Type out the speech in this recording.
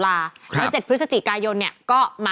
แฮปปี้เบิร์สเจทู